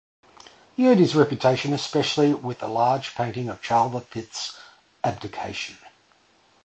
He earned his reputation especially with the large painting of Charles the Fifth's abdication.